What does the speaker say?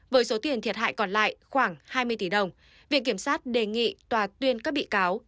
với số tiền thiệt hại còn lại khoảng hai mươi tỷ đồng viện kiểm sát đề nghị tòa tuyên các bị cáo